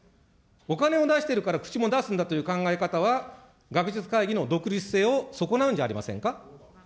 お金を出しているから口も出すんだという考え方は、学術会議の独立性を損なうんじゃありませんか。